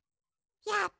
やった！